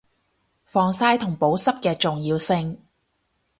防曬同保濕嘅重要性